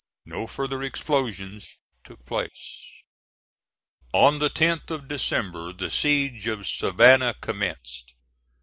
No further explosion took place. On the 10th of December the siege of Savannah commenced.